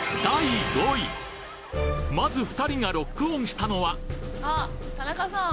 まず２人がロックオンしたのはあ田中さん。